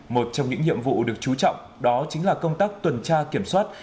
một trong những nhiệm vụ được chú trọng đó chính là công tác tuần tra kiểm soát